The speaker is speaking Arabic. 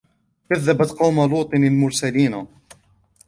كَذَّبَتْ قَوْمُ لُوطٍ الْمُرْسَلِينَ